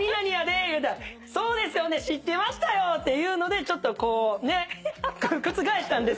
「そうですよね知ってましたよ」っていうのでちょっと覆したんですけど。